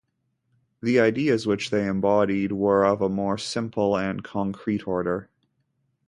The ideas which they embodied were of a more simple and concrete order.